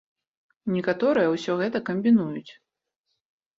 Некаторыя ўсё гэта камбінуюць.